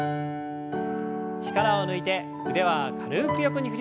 力を抜いて腕は軽く横に振りましょう。